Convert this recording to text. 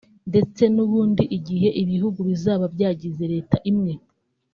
ndetse n’uburyo igihe ibihugu bizaba byagize Leta imwe